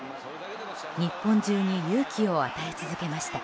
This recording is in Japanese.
日本中に勇気を与え続けました。